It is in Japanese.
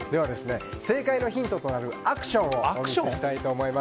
正解のヒントとなるアクションをお見せしたいと思います。